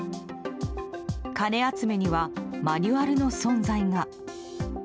金集めにはマニュアルの存在が。